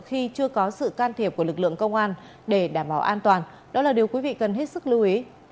khi chưa có sự can thiệp của lực lượng công an để đảm bảo an toàn đó là điều quý vị cần hết sức lưu ý